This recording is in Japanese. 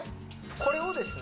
これをですね